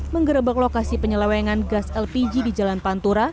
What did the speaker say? menggerebek lokasi penyelewengan gas lpg di jalan pantura